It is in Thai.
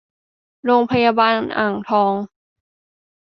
โรงพยาบาลอ่างทอง